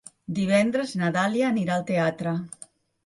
Divendres na Dàlia anirà al teatre.